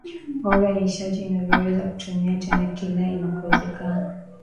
o vya nishati vinavyoweza kutumiwa tena kila inapowezekana